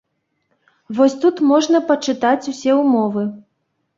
Вось тут можна пачытаць усе ўмовы.